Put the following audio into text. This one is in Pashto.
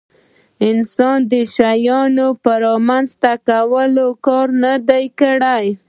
انسان د دې شیانو په رامنځته کولو کار نه دی کړی.